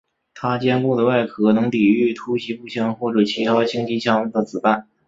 他坚固的外壳能抵御突袭步枪或者其他轻机枪的子弹。